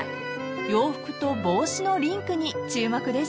［洋服と帽子のリンクに注目です］